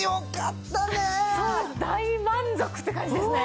大満足って感じですね。